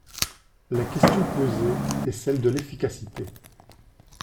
La question posée est celle de l’efficacité.